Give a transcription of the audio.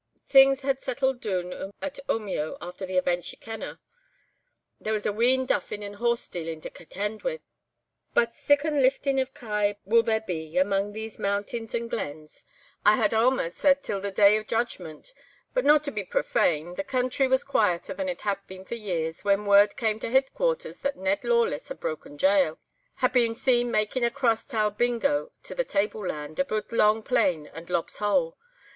Things had settled doon at Omeo after the events ye ken o'. There was a wheen duffing and horse stealing to contend wi'! But siccan lifting of kye will there be, amang these mountains and glens, I had a'maist said till the Day of Judgment—but no to be profane, the country was quieter than it had been for years, when word came to heidquarters that Ned Lawless had broken gaol; had been seen makin' across by Talbingo to the table land, aboot Long Plain and Lobb's Hole.